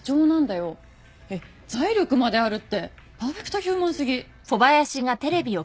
えっ財力まであるってパーフェクトヒューマンすぎ。